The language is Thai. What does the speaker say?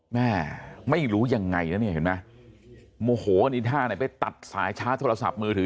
แม่ไม่รู้ยังไงนะเนี่ยเห็นไหมโมโหนี่ท่าไหนไปตัดสายชาร์จโทรศัพท์มือถือ